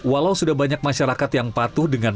walau sudah banyak masyarakat yang patuh dengan